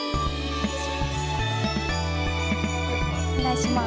お願いします。